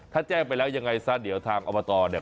ถ้าแจ้งไปแล้วยังไงซะเดี๋ยวทางอบตเนี่ย